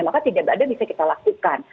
maka tidak ada yang bisa kita lakukan